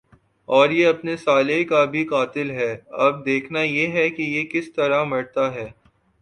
اور یہ اپنے سالے کا بھی قاتل ھے۔ اب دیکھنا یہ ھے کہ یہ کس طرع مرتا ھے۔